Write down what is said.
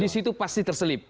di situ pasti terselip